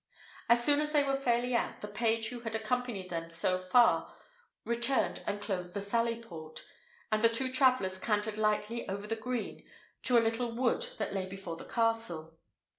As soon as they were fairly out, the page who had accompanied them so far returned and closed the sally port, and the two travellers cantered lightly over the green to a little wood that lay before the castle.